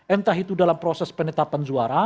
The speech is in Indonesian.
entah itu dalam proses penetapan suara